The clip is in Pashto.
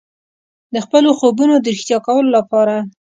د خپلو خوبونو د ریښتیا کولو لپاره.